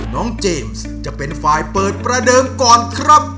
เจมส์จะเป็นฝ่ายเปิดประเดิมก่อนครับ